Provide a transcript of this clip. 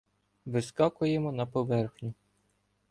Вискакуємо на поверхню: